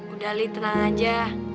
udah li tenang aja